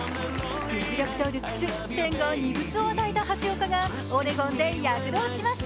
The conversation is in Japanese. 実力とルックス、天が二物を与えた橋岡がオレゴンで躍動します。